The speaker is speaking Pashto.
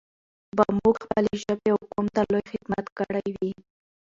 به موږ خپلې ژبې او قوم ته لوى خدمت کړى وي.